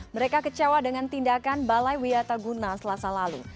mereka kecewa dengan tindakan balai wiataguna selasa lalu